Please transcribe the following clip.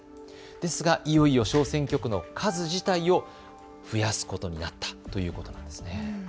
ですが、いよいよ小選挙区の数自体を増やすことになったということなんですね。